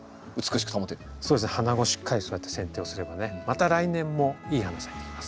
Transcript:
しっかりそうやってせん定をすればねまた来年もいい花咲いてきます。